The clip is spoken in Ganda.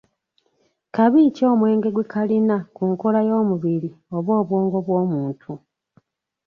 Kabi ki omwenge gwe kalina ku nkola y'omubiri oba obwongo bw'omuntu?